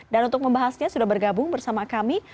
dan untuk membahasnya sudah bergabung bersama kami